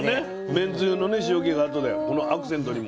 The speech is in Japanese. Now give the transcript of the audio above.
めんつゆの塩気があとでこのアクセントにも。